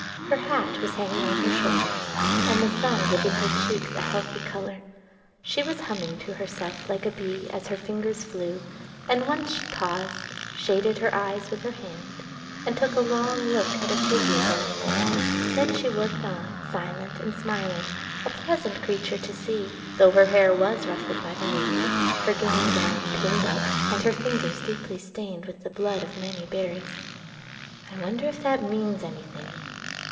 Her hat was hanging on her shoulders, and the sun giving her cheeks a healthy color; she was humming to herself like a bee as her fingers flew, and once she paused, shaded her eyes with her hand, and took a long look at a figure down in the meadow; then she worked on silent and smiling,—a pleasant creature to see, though her hair was ruffled by the wind; her gingham gown pinned up; and her fingers deeply stained with the blood of many berries. "I wonder if that means anything?"